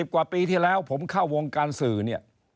กว่าปีที่แล้วผมเข้าวงการสื่อเนี่ย